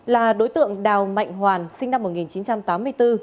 là đối tượng đào mạnh hoàn sinh năm một nghìn chín trăm tám mươi bốn